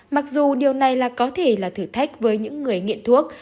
mặc dù điều này là có thể là thử thách với những người nghiện thuốc